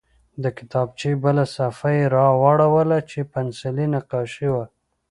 د کتابچې بله صفحه یې واړوله چې پنسلي نقاشي وه